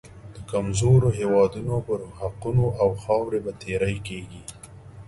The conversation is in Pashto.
د کمزورو هېوادونو پر حقوقو او خاورې به تیری کېږي.